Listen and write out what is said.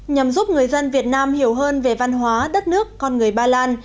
nhằm giúp người dân việt nam hiểu hơn về văn hóa đất nước con người ba lan